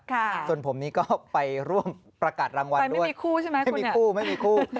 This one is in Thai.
ส่วนผมนี้ก็ไปร่วมประกาศรางวัลด้วยมีคู่ใช่ไหมไม่มีคู่ไม่มีคู่